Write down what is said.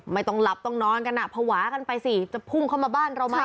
ไม่ต้องหลับต้องนอนกันอ่ะภาวะกันไปสิจะพุ่งเข้ามาบ้านเราไหม